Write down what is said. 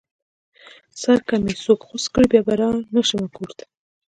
سر که مې څوک غوڅ کړې بيا به رانشمه کور ته